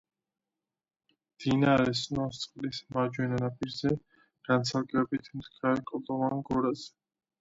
მდინარე სნოსწყლის მარჯვენა ნაპირზე, განცალკევებით მდგარ კლდოვან გორაზე.